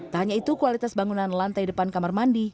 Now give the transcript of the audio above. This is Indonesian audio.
tak hanya itu kualitas bangunan lantai depan kamar mandi